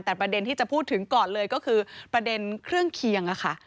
แต่ประเด็นที่จะพูดถึงก่อนเลยก็คือประเด็นเครื่องเคียงค่ะ